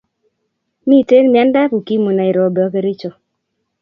Miten miandab ukimwi nairobi ak kercho